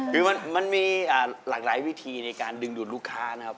คือมันมีหลากหลายวิธีในการดึงดูดลูกค้านะครับ